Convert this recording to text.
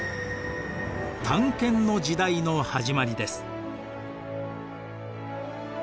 探検の時代の始まりです。